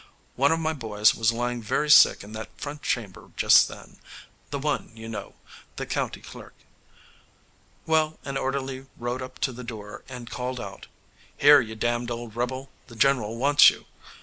One of my boys was lying very sick in that front chamber just then the one you know, the county clerk. Well, an orderly rode up to the door and called out, 'Here, you damned old rebel, the general wants you.'